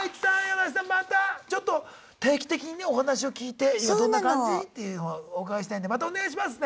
またちょっと定期的にねお話を聞いて今どんな感じ？っていうのをお伺いしたいんでまたお願いしますね。